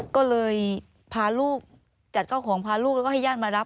ก็เลยพาลูกจัดเจ้าของพาลูกแล้วก็ให้ญาติมารับ